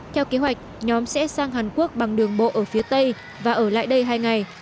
theo kế hoạch nhóm sẽ sang hàn quốc bằng đường bộ ở phía tây và ở lại đây hai ngày